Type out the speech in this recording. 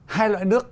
hai loại nước